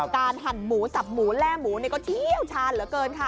หั่นหมูสับหมูแร่หมูนี่ก็เที่ยวชาญเหลือเกินค่ะ